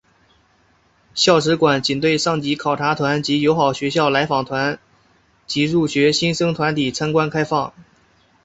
校史馆仅对上级考察团及友好学校来访团及入学新生团体参观开放。